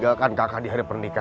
nah yang mengooh ngoh terhadap dia